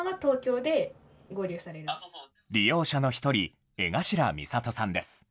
利用者の１人、江頭実里さんです。